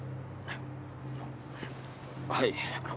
はい。